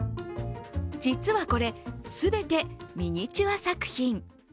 実はこれ、全てミニチュア作品。